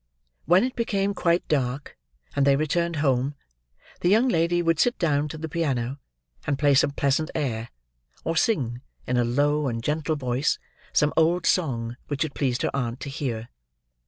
When it became quite dark, and they returned home, the young lady would sit down to the piano, and play some pleasant air, or sing, in a low and gentle voice, some old song which it pleased her aunt to hear.